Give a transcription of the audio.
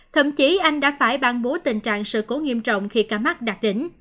thậm chí anh đã phải ban bố tình trạng sự cố nghiêm trọng khi ca mắc đạt đỉnh